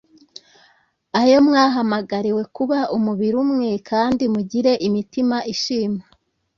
ayo mwahamagariwe kuba umubiri umwe: kandi mugire imitima ishima.